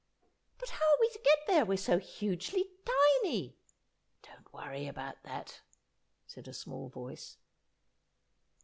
"But how are we to get there; we're so hugely tiny?" "Don't worry about that," said a small voice.